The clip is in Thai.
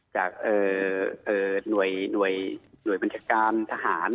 จากหน่วยบัญชาการทหาร